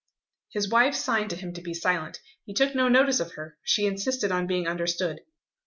His wife signed to him to be silent. He took no notice of her. She insisted on being understood.